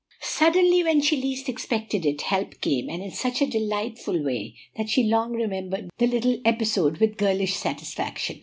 Suddenly, when she least expected it, help came, and in such a delightful way that she long remembered the little episode with girlish satisfaction.